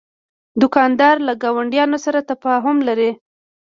دوکاندار له ګاونډیانو سره تفاهم لري.